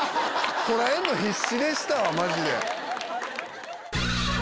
こらえるの必死でしたわマジで。